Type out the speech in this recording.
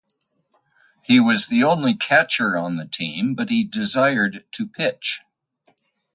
He was the only catcher on the team but he desired to pitch.